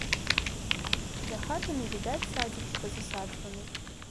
За хатамі відаць садзікі пазасаджваны.